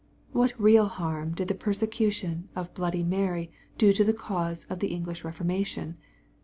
— What real harm did the persecution of bloody Mary do to the cause of the English Eeformation